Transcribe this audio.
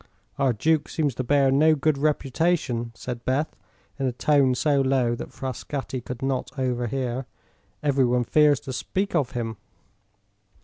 "Our duke seems to bear no good reputation," said Beth, in a tone so low that Frascatti could not overhear. "Everyone fears to speak of him."